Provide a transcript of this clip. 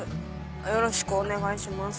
よろしくお願いします。